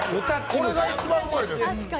これが一番うまいです！